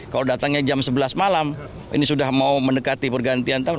kalau datangnya jam sebelas malam ini sudah mau mendekati pergantian tahun